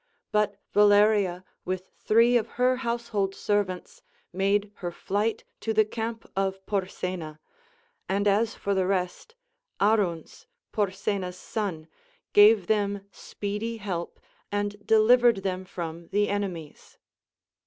But Valeria with three of her household servants made her flight to the camp of Porsena ; and as for the rest, Aruns, Porsena's son, gave them speedy help and delivered them from the enemies.